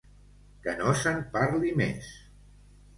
Que no se'n parli més.